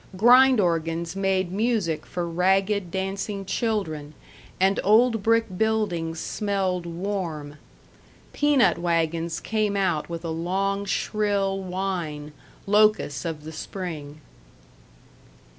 Grind organs made music for ragged, dancing children, and old brick buildings smelled warm. Peanut wagons came out with a long, shrill whine, locusts of the spring.